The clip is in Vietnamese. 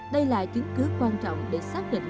đây là chứng cứ quan trọng để xác định